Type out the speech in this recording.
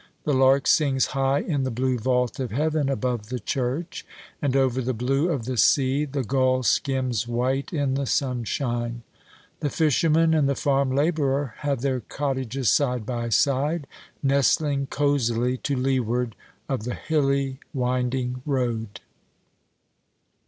The lark sings high in the blue vault of heaven above the church, and over the blue of the sea the gull skims white in the sunshine. The fisherman and the farm labourer have their cottages side by side, nestling cosily to leeward of the hilly winding road.